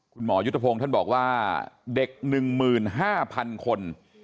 คุณหมอยุทธพงศ์ท่านบอกว่าเด็ก๑๕๐๐๐คน